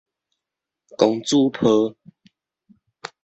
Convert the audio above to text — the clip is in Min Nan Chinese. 公主抱